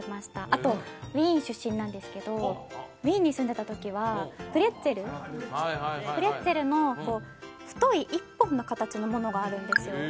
あとウィーン出身なんですけどウィーンに住んでた時はプレッツェルプレッツェルの太い一本の形のものがあるんですよ